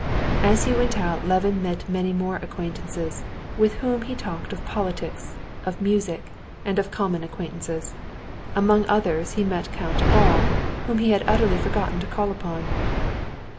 As he went out Levin met many more acquaintances, with whom he talked of politics, of music, and of common acquaintances. Among others he met Count Bol, whom he had utterly forgotten to call upon.